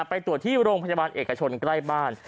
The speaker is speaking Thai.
ไปตรวจที่โรงพยาบาลเอกชนใกล้บ้าน